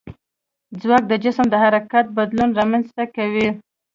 ځواک د جسم د حرکت بدلون رامنځته کوي.